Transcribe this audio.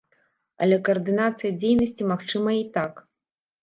Але каардынацыя дзейнасці магчымая і так.